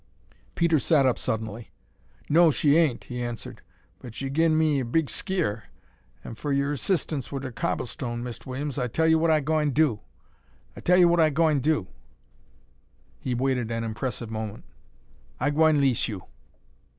Peter sat up suddenly. "No, she 'ain't," he answered; "but she gin me er big skeer; an' fer yer 'sistance with er cobblestone, Mist' Willums, I tell you what I gwine do I tell you what I gwine do." He waited an impressive moment. "I gwine 'lease you!"